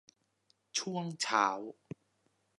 ช่วงเช้า